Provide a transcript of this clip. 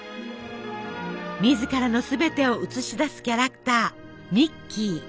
自らのすべてを映し出すキャラクターミッキー。